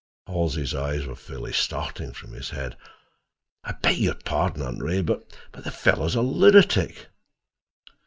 Halsey's eyes were fairly starting from his head. "I beg your pardon, Aunt Ray, but—the fellow's a lunatic."